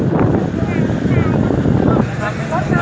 ไม่เป็นปัญหาวะ